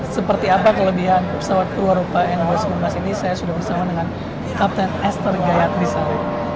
seperti apa kelebihan pesawat perwarupa n dua ratus sembilan belas ini saya sudah bersama dengan kapten esther gayat misal